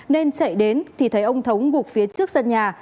nên chạy đến thì thấy ông thống gục phía trước sân nhà